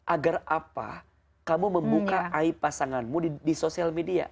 agar apa kamu membuka aib pasanganmu di sosial media